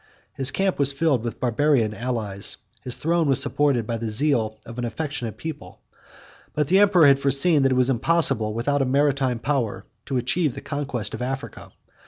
His camp was filled with Barbarian allies; his throne was supported by the zeal of an affectionate people; but the emperor had foreseen, that it was impossible, without a maritime power, to achieve the conquest of Africa.